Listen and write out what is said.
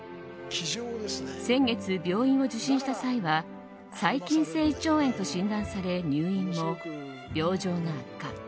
先月、病院を受診した際は細菌性胃腸炎と診断され入院も病状が悪化。